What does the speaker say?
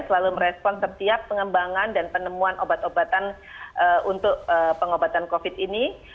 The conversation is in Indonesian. selalu merespon setiap pengembangan dan penemuan obat obatan untuk pengobatan covid ini